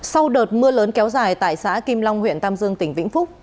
sau đợt mưa lớn kéo dài tại xã kim long huyện tam dương tỉnh vĩnh phúc